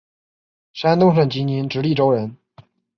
山东省济宁直隶州人。